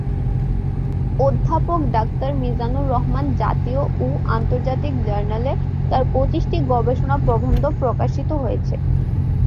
অধ্যাপক ডাক্তারমীজানুর রহমান জাতীয় ও আন্তর্জাতিক জার্নালে তার পঁচিশটি গবেষণা প্রবন্ধ প্রকাশিত হয়েছে।